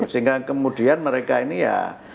sehingga kemudian mereka ini ya